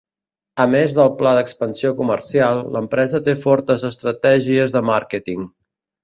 A més del pla d'expansió comercial, l'empresa té fortes estratègies de màrqueting.